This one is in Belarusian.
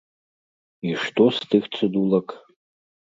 І што з тых цыдулак?